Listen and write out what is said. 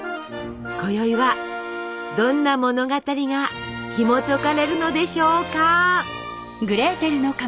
こよいはどんな物語がひもとかれるのでしょうか？